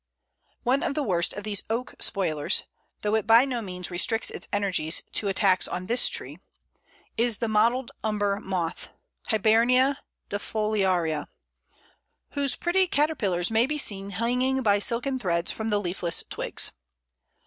One of the worst of these Oak spoilers though it by no means restricts its energies to attacks on this tree is the Mottled Umber Moth (Hibernia defoliaria), whose pretty caterpillars may be seen hanging by silken threads from the leafless twigs.